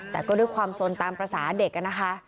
แต่ก็ด้วยความสนตามภาษาเด็กนะคะ